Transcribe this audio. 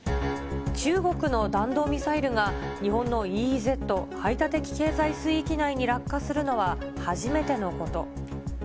中国の弾道ミサイルが、日本のＥＥＺ・排他的経済水域内に落下するのは初めてのこと。